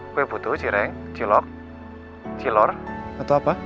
kue putu cireng cilok cilor atau apa